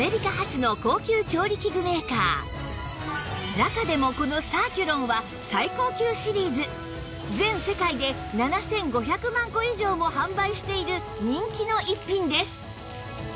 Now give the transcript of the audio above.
中でもこのサーキュロンは最高級シリーズ全世界で７５００万個以上も販売している人気の逸品です